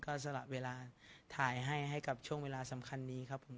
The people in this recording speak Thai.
ก็สละเวลาถ่ายให้ให้กับช่วงเวลาสำคัญนี้ครับผม